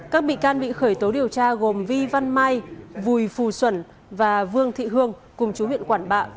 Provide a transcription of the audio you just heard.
các bị can bị khởi tố điều tra gồm vi văn mai vùi phù xuẩn và vương thị hương cùng chú huyện quảng bạ